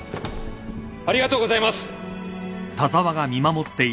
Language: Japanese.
ありがとうございます！